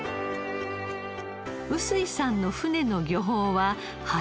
臼井さんの船の漁法は延縄漁。